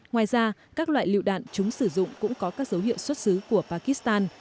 ngoài ra các loại lựu đạn chúng sử dụng cũng có các dấu hiệu xuất xứ của pakistan